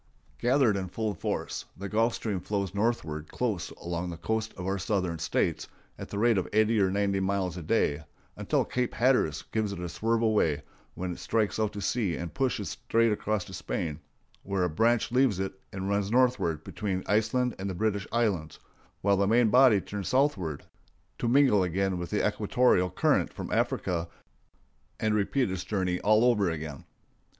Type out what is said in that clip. Gathered in full force, the Gulf Stream flows northward close along the coast of our Southern States at the rate of eighty or ninety miles a day until Cape Hatteras gives it a swerve away, when it strikes out to sea and pushes straight across to Spain, where a branch leaves it and runs northward between Iceland and the British Islands, while the main body turns southward to mingle again with the equatorial current from Africa and repeat its journey all over again.